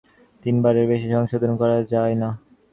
যদিও নিয়ম অনুযায়ী একটি প্রকল্প তিনবারের বেশি সংশোধন করা যায় না।